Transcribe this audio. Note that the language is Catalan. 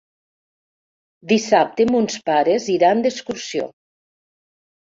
Dissabte mons pares iran d'excursió.